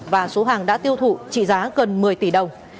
và số hàng đã tiêu thụ trị giá gần một mươi tỷ đồng